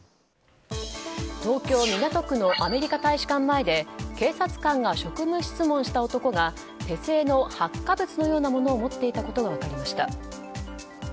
東京・港区のアメリカ大使館前で警察官が職務質問した男が手製の発火物のようなものを持っていたことが分かりました。